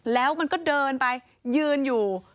แล้วมันก็เดินไปยืนอยู่